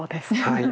はい。